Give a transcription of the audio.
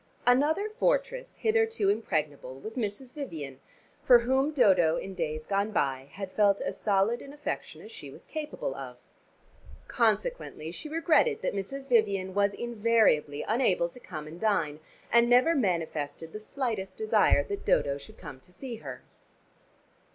Another fortress hitherto impregnable was Mrs. Vivian, for whom Dodo in days gone by had felt as solid an affection as she was capable of. Consequently she regretted that Mrs. Vivian was invariably unable to come and dine, and never manifested the slightest desire that Dodo should come to see her.